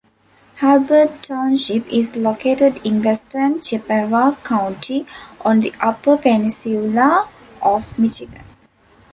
Hulbert Township is located in western Chippewa County on the Upper Peninsula of Michigan.